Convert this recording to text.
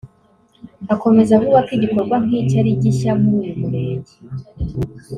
Akomeza avuga ko igikorwa nk’iki ari gishya muri uyu Murenge